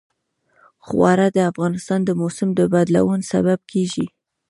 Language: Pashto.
خاوره د افغانستان د موسم د بدلون سبب کېږي.